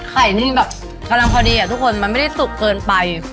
ที่มันแบบกำลังพอดีทุกคนมันไม่ได้สุกเกินไป